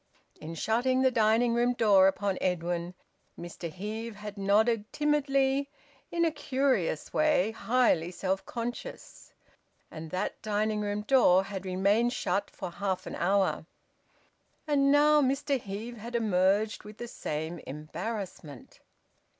In shutting the dining room door upon Edwin, Mr Heve had nodded timidly in a curious way, highly self conscious. And that dining room door had remained shut for half an hour. And now Mr Heve had emerged with the same embarrassment.